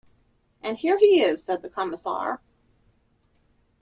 "And here he is," said the Commissaire.